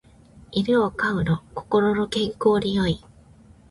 犬を飼うの心の健康に良い